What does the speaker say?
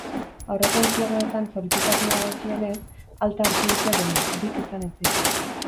Aurreko entzierroetan zauritutakoei dagokienez, alta hartu dute denek, bik izan ezik.